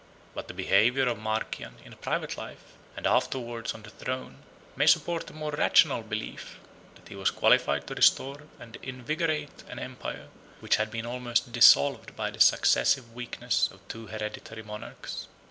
But the behavior of Marcian in a private life, and afterwards on the throne, may support a more rational belief, that he was qualified to restore and invigorate an empire, which had been almost dissolved by the successive weakness of two hereditary monarchs.